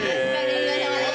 お疲れさまです。